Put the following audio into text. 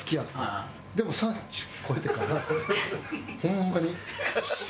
でも３０超えてからホンマに。